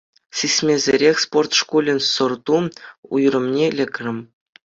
Сисмесӗрех спорт шкулӗн сӑрт-ту уйрӑмне лекрӗм.